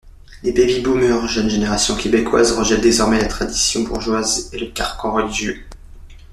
Les baby-boomers, jeune génération québécoise, rejettent désormais la tradition bourgeoise et le carcan religieux.